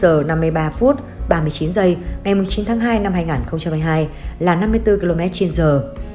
tốc độ lần cuối được thiết bị giám sát hành trình ghi nhận lúc h năm mươi ba ba mươi chín ngày một mươi chín hai hai nghìn một mươi chín